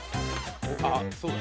あっそうか。